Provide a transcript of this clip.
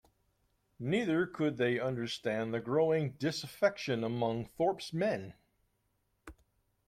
Neither could they understand the growing disaffection among Thorpe's men.